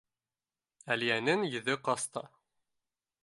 Әлиәнең йөҙө ҡасты.